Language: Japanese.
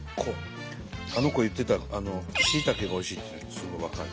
あの子言ってたしいたけがおいしいっていうのすごい分かる。